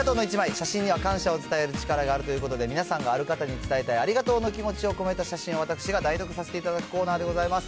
写真には感謝を伝える力があるということで、皆さんがある方に伝えたい、ありがとうの気持ちを込めた写真を私が代読させていただくコーナーでございます。